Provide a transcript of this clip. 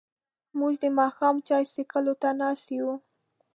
موږ د ماښام چای څښلو ته ناست یو.